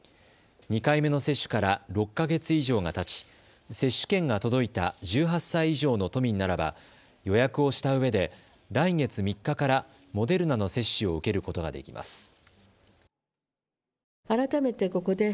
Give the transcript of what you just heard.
２回目の接種から６か月以上がたち、接種券が届いた１８歳以上の都民ならば予約をしたうえで来月３日からモデルナの接種を受けることができます。